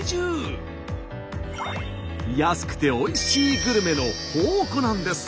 安くておいしいグルメの宝庫なんです。